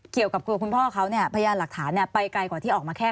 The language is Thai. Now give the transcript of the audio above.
เกี่ยวกับตัวคุณพ่อเขาเนี่ยพยานหลักฐานไปไกลกว่าที่ออกมาแค่